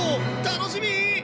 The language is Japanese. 楽しみ！